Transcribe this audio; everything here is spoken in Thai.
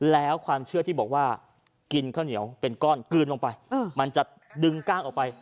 แล้วความเชื่อที่บอกว่ากินข้าวเหนียวเป็นก้อนกลืนลงไปมันจะดึงกล้างออกไป